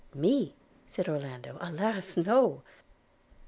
'Me?' said Orlando – 'alas !no!'